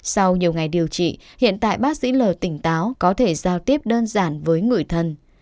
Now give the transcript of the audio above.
sau nhiều ngày điều trị hiện tại bác sĩ l tỉnh táo có thể giao tiếp đơn giản với người thân